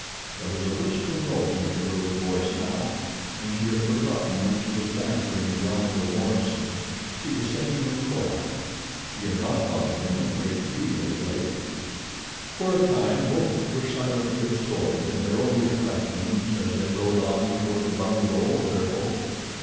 There was a wistful note in the girl's voice now and she had forgotten that she was bantering the Hon. Morison. She was thinking of Korak. She had not thought of him a great deal of late. For a time both were silently absorbed in their own reflections as they rode on toward the bungalow of their host.